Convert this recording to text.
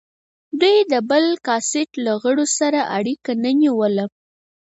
دوی د بل کاسټ له غړو سره اړیکه نه نیوله.